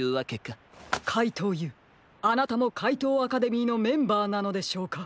かいとうＵあなたもかいとうアカデミーのメンバーなのでしょうか？